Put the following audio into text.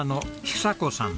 寿子さん